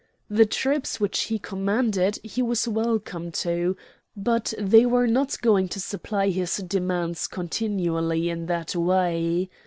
The troops which he commanded he was welcome to; but they were not going to supply his demands continually in that way.